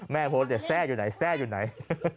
แม่โพสต์จะแทรกอยู่ไหนแทรกอยู่ไหน